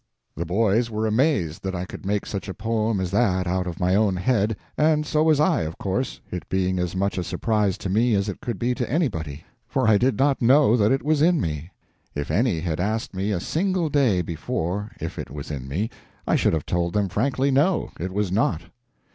The boys were amazed that I could make such a poem as that out of my own head, and so was I, of course, it being as much a surprise to me as it could be to anybody, for I did not know that it was in me. If any had asked me a single day before if it was in me, I should have told them frankly no, it was not.